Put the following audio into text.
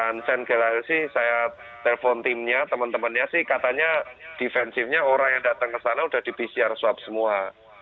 dan sen gelail sih saya telpon timnya temen temennya sih katanya defensifnya orang yang datang ke sana udah dibisiar swab semua